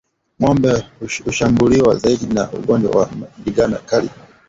Ngombe hushambuliwa zaidi na ugonjwa wa ndigana kali